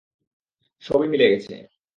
সবই মিলে গেছে।